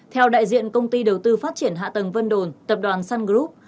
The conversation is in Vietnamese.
theo đại diện công ty đầu tư phát triển hạ tầng vân đồn tập đoàn sun group